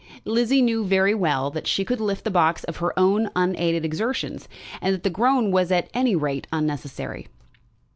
Lizzie knew very well that she could lift the box by her own unaided exertions, and that the groan was at any rate unnecessary.